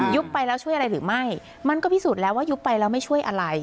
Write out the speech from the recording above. ไปแล้วช่วยอะไรหรือไม่มันก็พิสูจน์แล้วว่ายุบไปแล้วไม่ช่วยอะไร